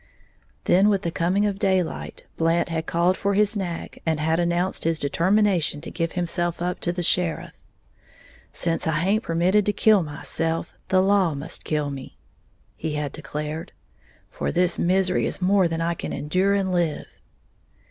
Then, with the coming of daylight, Blant had called for his nag and had announced his determination to give himself up to the sheriff. "Since I haint permitted to kill myself, the law must kill me," he had declared, "for this misery is more than I can endure and live."